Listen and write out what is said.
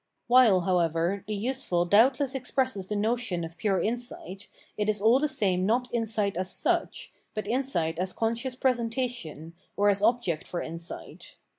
While, however, the useful doubtless expresses the notion of pure insight, it is aU the same not insight as such, but insight as conscious presentation, or as object for insight.